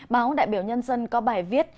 báo đại biểu nhân dân có bài viết